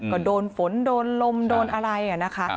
ก็โดนฝนโดนลมโดนอะไรนะคะ